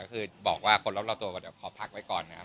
ก็คือบอกว่าคนรอบตัวเดี๋ยวขอพักไว้ก่อนนะครับ